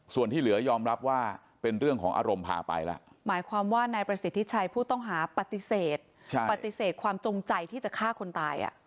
ส่วนที่เหลือยอมรับว่าเป็นเรื่องของอารมณ์ผ่าไปละ